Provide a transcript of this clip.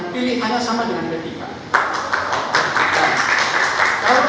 pilihannya sama dengan kib